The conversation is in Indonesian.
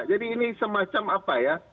jadi ini semacam apa ya